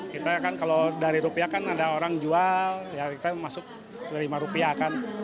kita kan kalau dari rupiah kan ada orang jual ya kita masuk lima rupiah kan